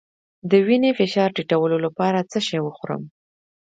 د وینې فشار ټیټولو لپاره څه شی وخورم؟